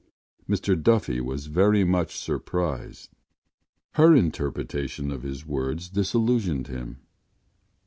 Mr Duffy was very much surprised. Her interpretation of his words disillusioned him.